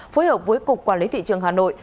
phối hợp với cục quản lý thị trường hà nội